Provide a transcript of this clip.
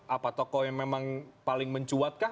apa tokoh yang memang paling mencuatkah